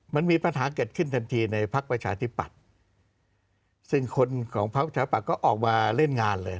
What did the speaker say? มันมีปัญหาเกิดขึ้นทันทีในพักประชาธิปัตย์ซึ่งคนของพักประชาปัตย์ก็ออกมาเล่นงานเลย